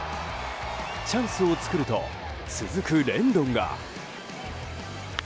チャンスを作ると続くレンドンが。